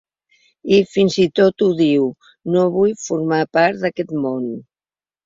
Si fins i tot ho diu: no vull formar part d’aquest món!